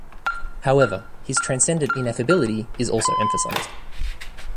However, his transcendent ineffability is also emphasized.